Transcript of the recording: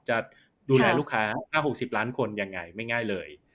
จะดูแลลูกค้า๖๐ล้านคนยังไงไม่ง่ายเลย